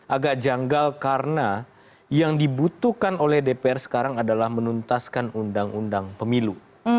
agak janggal karena yang dibutuhkan oleh dpr sekarang adalah menuntaskan undang undang pemilu